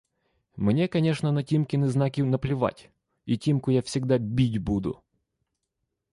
– Мне, конечно, на Тимкины знаки наплевать, и Тимку я всегда бить буду…